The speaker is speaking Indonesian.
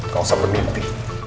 kau bisa bermimpi